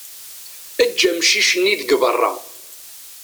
Eǧǧ amcic-nni deg berra.